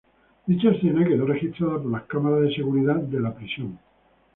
Dicha escena quedó registrada por las cámaras de seguridad de la prisión.